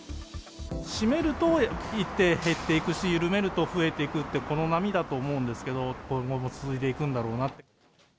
締めると減っていくし、緩めると増えていくと、この波だと思うんですけど、今後も続いていくんだろうなと。